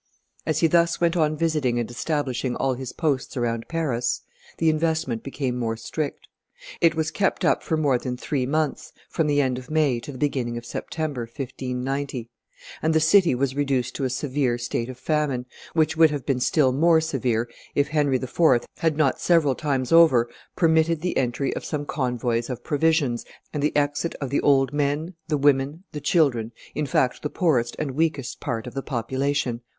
As he thus went on visiting and establishing all his posts around Paris, the investment became more strict; it was kept up for more than three months, from the end of May to the beginning of September, 1590; and the city was reduced to a severe state of famine, which would have been still more severe if Henry IV. had not several times over permitted the entry of some convoys of provisions and the exit of the old men, the women, the children, in fact, the poorest and weakest part of the population.